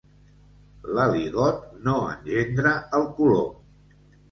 L'aligot no engendra el colom.